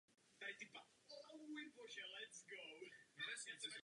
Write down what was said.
Za měsíc se zrodí nový stát.